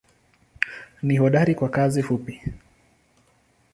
Ni hodari kwa kazi fupi.